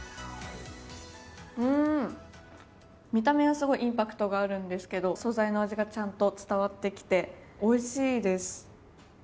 見た目はすごいインパクトがあるんですが素材の味がちゃんと伝わってきておいしいです。